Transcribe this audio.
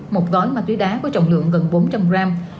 một gói ma túy đá có trọng lượng gần bốn trăm linh gram